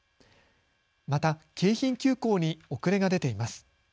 また京浜急行に遅れが出ています。